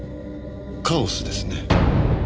カオスですね。